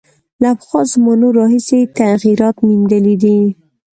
له پخوا زمانو راهیسې یې تغییرات میندلي دي.